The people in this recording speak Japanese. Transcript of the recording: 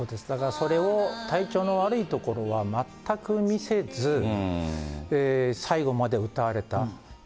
だからそれを体調のわるいところは全く見せず、最後まで歌われた。